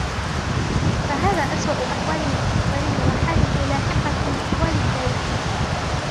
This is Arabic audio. فَهَذَا أَسْوَأُ أَحْوَالِ الْمُقَصِّرِينَ وَحَالُهُ لَاحِقَةٌ بِأَحْوَالِ التَّارِكِينَ